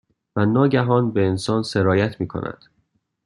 و ناگهان، به انسان سرایت میکند